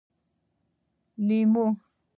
🍋 لېمو